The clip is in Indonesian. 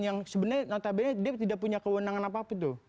yang sebenarnya notabene dia tidak punya kewenangan apapun tuh